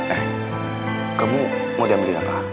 eh kamu mau diambilin apa